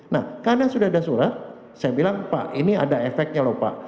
nah karena sudah ada surat saya bilang pak ini ada efeknya lho pak